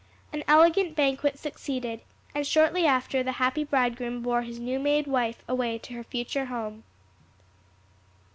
An elegant banquet succeeded, and shortly after the happy bridegroom bore his new made wife away to her future home.